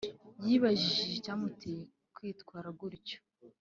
yibajije icyamuteye kwitwara gutyo